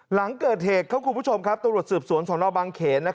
หลังเกิดเหตุครับคุณผู้ชมครับตำรวจสืบสวนสนบางเขน